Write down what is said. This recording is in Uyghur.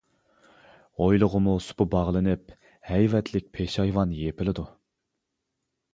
ھويلىغىمۇ سۇپا باغلىنىپ، ھەيۋەتلىك پېشايۋان يېپىلىدۇ.